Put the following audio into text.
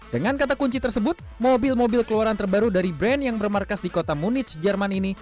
dengan kata kunci tersebut mobil mobil keluaran terbaru dari brand yang bermarkas di kota munich jerman ini